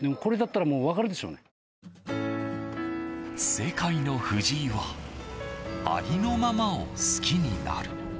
世界の藤井はありのままを好きになる。